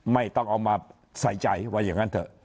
ไม่ต้องเอามาใส่ใจว่าอย่างนั้นเถอะ